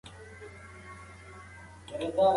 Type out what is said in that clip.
ناسم عادتونه ناروغۍ زیاتوي.